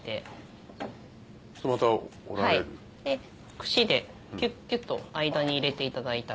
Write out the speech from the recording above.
くしでキュッキュッと間に入れていただいたら。